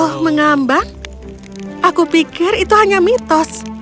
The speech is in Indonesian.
ini diserang kekurangan kapal kebijaksanaan tuanku